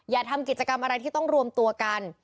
ทำกิจกรรมอะไรที่ต้องรวมตัวกัน